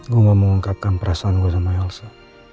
gue mau mengungkapkan perasaan gue sama yalsa